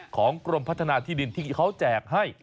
กรมพัฒนาที่ดินที่เขาแจกให้